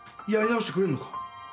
やり直してくれんのか？